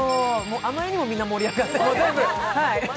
あまりにもみんな盛り上がってて。